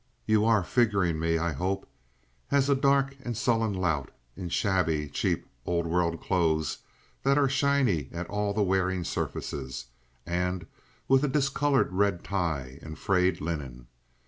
You are figuring me, I hope, as a dark and sullen lout in shabby, cheap, old world clothes that are shiny at all the wearing surfaces, and with a discolored red tie and frayed linen.